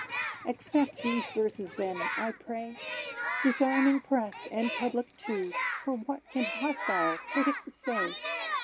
Accept these verses then, I pray, Disarming press and public too, For what can hostile critics say?